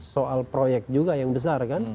soal proyek juga yang besar kan